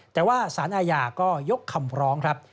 แต่ว่าสารอาญาก็ยกคำร้องครับ